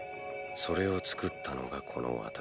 それを作ったのがこの私だ。